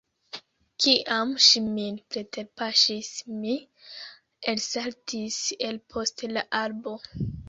Kiam ŝi min preterpaŝis mi elsaltis el post la arbo.